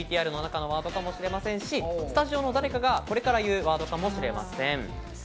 ＶＴＲの中のワードかもしれませんし、スタジオの誰かがこれから言うワードかもしれません。